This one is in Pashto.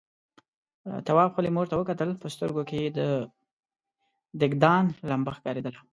تواب خپلې مور ته وکتل، په سترګوکې يې د دېګدان لمبه ښکارېدله.